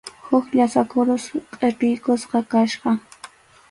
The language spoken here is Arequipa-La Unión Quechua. Huk llasa kurus qʼipiykusqa kachkan.